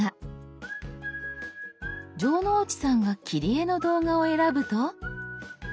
城之内さんが「切り絵」の動画を選ぶと。